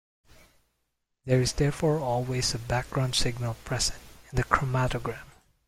There is therefore always a background signal present in the chromatogram.